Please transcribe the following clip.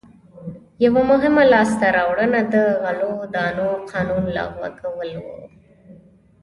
یوه مهمه لاسته راوړنه د غلو دانو قانون لغوه کول و.